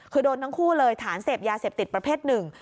คือโดนทั้งคู่เลยฐานเสพยาเสพติดประเภทหนึ่ง